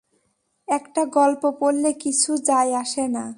একটা গল্প পড়লে কিছু যায় আসে না।